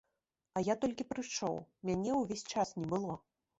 А я толькі прыйшоў, мяне ўвесь час не было.